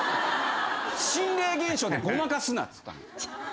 心霊現象でごまかすなっつったの。